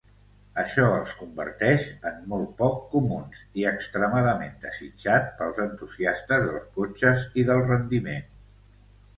Això els converteix en molt poc comuns i extremadament desitjat pels entusiastes dels cotxes i del rendiment.